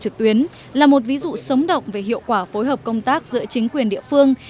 trực tuyến là một ví dụ sống động về hiệu quả phối hợp công tác giữa chính quyền địa phương